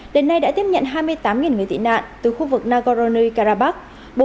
đến nay đã tiếp nhận hai mươi tám người tị nạn từ khu vực nagorno karabakh